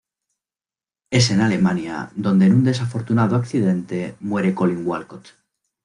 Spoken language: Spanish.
Es en Alemania donde en un desafortunado accidente muere Collin Walcott.